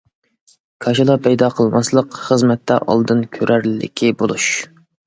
كاشىلا پەيدا قىلماسلىق، خىزمەتتە ئالدىن كۆرەرلىكى بولۇش.